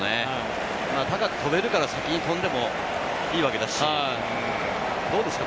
高く飛べるから、先に飛んでもいいわけだし、どうですか？